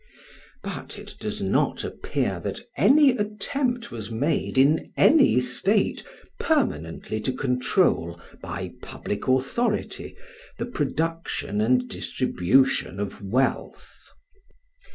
But it does not appear that any attempt was made in any state permanently to control by public authority the production and distribution of wealth.